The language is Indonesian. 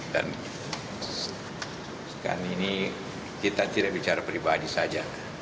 dan sekarang ini kita tidak bicara pribadi saja